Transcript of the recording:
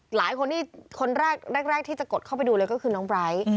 หลายคนที่คนแรกที่จะกดเข้าไปดูเลยก็คือน้องไบร์ท